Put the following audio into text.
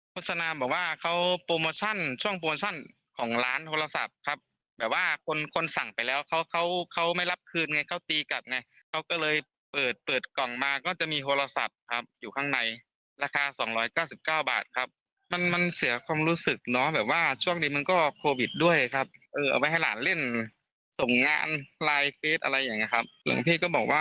มันไม่มีจริงครับทุกคนโดนมาเยอะเยอะเหมือนกันครับ